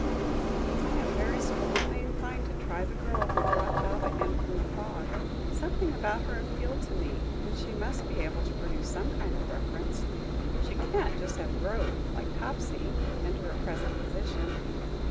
"I am very strongly inclined to try the girl who brought Baba in from the fog. Something about her appealed to me, and she must be able to produce some kind of reference. She can't just have 'growed,' like Topsy, into her present position.